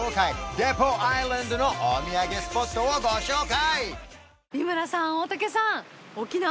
デポアイランドのお土産スポットをご紹介！